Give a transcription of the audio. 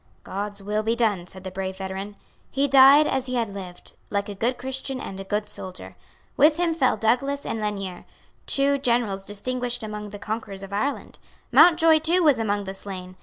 "God's will be done," said the brave veteran. He died as he had lived, like a good Christian and a good soldier. With him fell Douglas and Lanier, two generals distinguished among the conquerors of Ireland. Mountjoy too was among the slain.